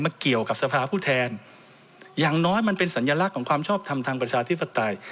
เกี่ยวกับสภาผู้แทนอย่างน้อยมันเป็นสัญลักษณ์ของความชอบทำทางประชาธิปไตย